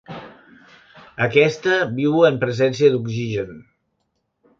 Aquesta viu en presència d'oxigen.